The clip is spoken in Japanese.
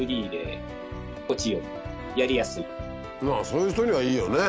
そういう人にはいいよね！